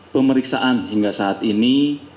pemeriksaan hingga saat ini